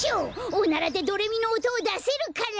おならでドレミのおとをだせるから！